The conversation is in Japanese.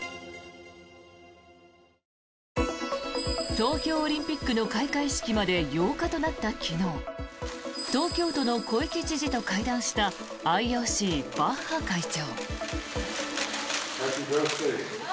東京オリンピックの開会式まで８日となった昨日東京都の小池知事と会談したＩＯＣ、バッハ会長。